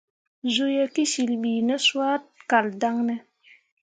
Zuu ye kǝsyil bi ne soa kal daŋ ne ?